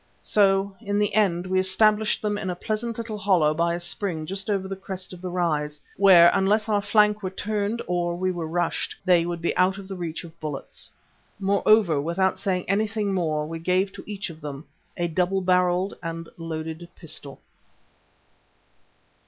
So in the end we established them in a pleasant little hollow by a spring just over the crest of the rise, where unless our flank were turned or we were rushed, they would be out of the reach of bullets. Moreover, without saying anything more we gave to each of them a double barrelled and loaded pistol.